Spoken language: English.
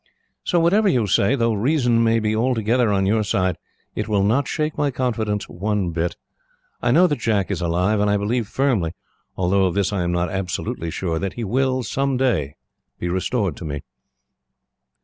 "So whatever you say, though reason may be altogether on your side, it will not shake my confidence, one bit. I know that Jack is alive, and I believe firmly, although of this I am not absolutely sure, that he will, someday, be restored to me."